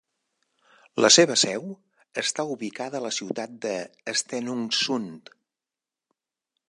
La seva seu està ubicada a la ciutat de Stenungsund.